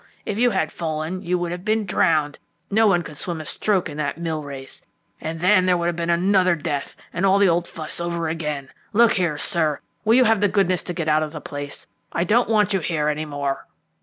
if you had fallen you would have been drowned. No one could swim a stroke in that mill race. And then there would have been another death, and all the old fuss over again! Look here, sir, will you have the goodness to get out of the place? I don't want you here any more."